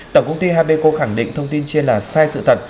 tổng công ty habeko khẳng định thông tin trên là sai sự thật